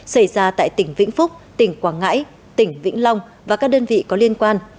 xảy ra tại tỉnh vĩnh phúc tỉnh quảng ngãi tỉnh vĩnh long và các đơn vị có liên quan